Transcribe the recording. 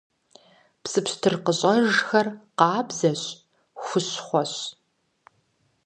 Псы пщтыр къыщӀэжхэр къабзэщ, хущхъуэщ.